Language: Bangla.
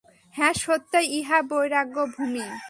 হ্যাঁ, সত্যই ইহা বৈরাগ্য-ভূমি।